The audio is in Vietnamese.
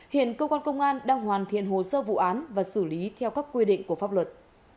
hiện cơ quan công an đang hoàn thiện hồ sơ vụ án và xử lý theo các quy định của pháp luật